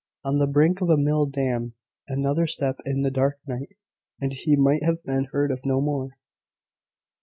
On the brink of a mill dam! Another step in the dark night, and he might have been heard of no more!"